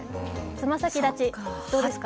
爪先立ち、どうですか？